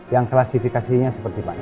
yang klasifikasinya seperti pak